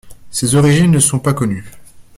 Ses origines ne sont pas connues.